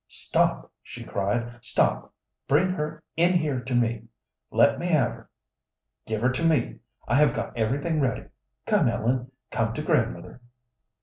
"Stop!" she cried. "Stop! Bring her in here to me! Let me have her! Give her to me; I have got everything ready! Come, Ellen come to grandmother!"